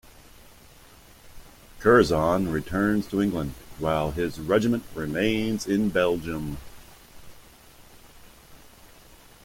Curzon returns to England while his regiment remains in Belgium.